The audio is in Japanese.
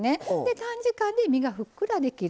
短時間で身がふっくらできる。